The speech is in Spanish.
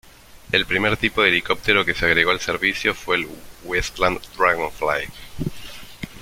El primer tipo de helicóptero que se agregó al servicio fue el Westland Dragonfly.